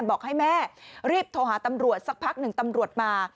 บอกให้แม่รีบโทรหาตำรวจสักพักหนึ่งตำรวจมา